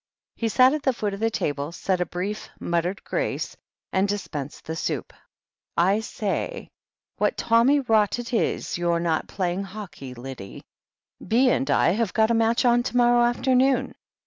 He sat at the foot of the table, said a brief, muttered grace, and dispensed the soup. "I say, what tommy rot it is your not playing hockey, Lydie. Bee and I have got a match on to morrow afternoon."